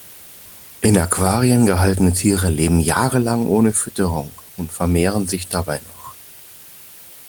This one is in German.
In Aquarien gehaltene Tiere leben jahrelang ohne Fütterung und vermehren sich dabei noch.